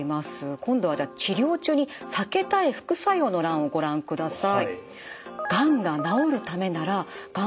今度はじゃあ治療中に避けたい副作用の欄をご覧ください。